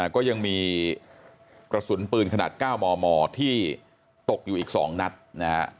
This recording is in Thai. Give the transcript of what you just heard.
ก็ยังมีกระสุนปืนขนาด๙มมที่ตกอยู่อีก๒นัดนะฮะ